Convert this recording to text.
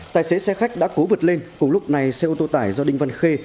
tài xế xe khách đã cố vượt lên cùng lúc này xe ô tô tải do đinh văn khê